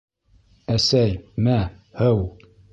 — Әсәй, мә, һыу!